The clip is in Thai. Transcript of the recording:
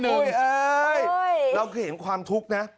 อุ๊ยเราเคยเห็นความทุกข์นะ